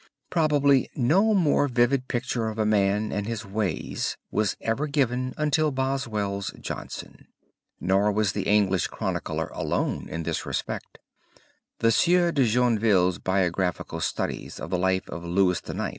Probably no more vivid picture of a man and his ways was ever given until Boswell's Johnson. Nor was the English chronicler alone in this respect. The Sieur de Joinville's biographical studies of the life of Louis IX.